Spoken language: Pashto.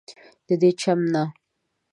ددې چم نه